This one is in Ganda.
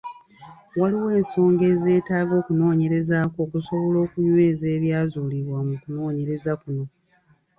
Waliwo ensonga ezeetaaga okunoonyerezaako okusobola okunyweza ebyazuulibwa mu kunoonyereza kuno.